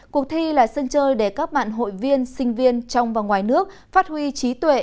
cuộc thi là sân chơi để các bạn hội viên sinh viên trong và ngoài nước phát huy trí tuệ